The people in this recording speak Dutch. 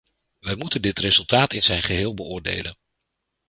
Wij moeten dit resultaat in zijn geheel beoordelen.